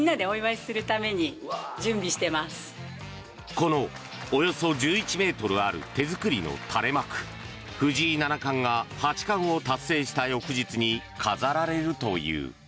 このおよそ１１ｍある手作りの垂れ幕藤井七冠が八冠を達成した翌日に飾られるという。